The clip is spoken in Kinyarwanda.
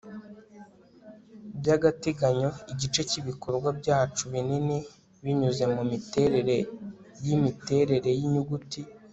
byagateganyo igice cyibikorwa byacu binini binyuze mumiterere yimiterere yinyuguti